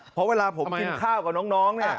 เพราะเวลาผมกินข้าวกับน้องเนี่ย